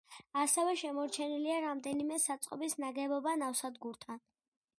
ასევე შემორჩენილია რამდენიმე საწყობის ნაგებობა ნავსადგურთან.